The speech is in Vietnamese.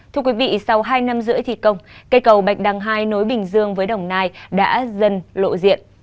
thưa quý vị sau hai năm rưỡi thi công cây cầu bạch đăng hai nối bình dương với đồng nai đã dần lộ diện